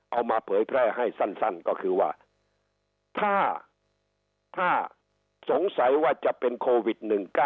มาเผยแพร่ให้สั้นก็คือว่าถ้าสงสัยว่าจะเป็นโควิด๑๙